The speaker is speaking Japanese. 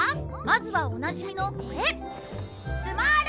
まずはおなじみのこれ